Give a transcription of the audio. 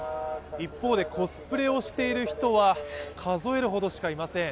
一方でコスプレをしている人は数えるほどしかいません。